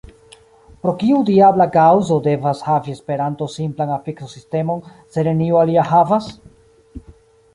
Pro kiu diabla kaŭzo devas havi Esperanto simplan afikso-sistemon, se neniu alia havas?